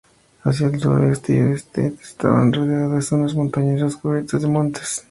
Hacia el sur, este y oeste estaba rodeada de zonas montañosas cubiertas de montes.